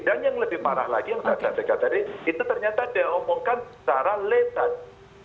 dan yang lebih parah lagi yang saya sampaikan tadi itu ternyata diomongkan secara letas